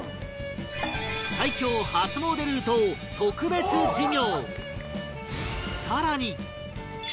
最強初詣ルートを特別授業！